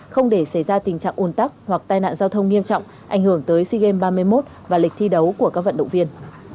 không để xảy ra tình trạng ồn tắc hoặc tai nạn giao thông nghiêm trọng ảnh hưởng tới sea games ba mươi một và lịch thi đấu của các vận động viên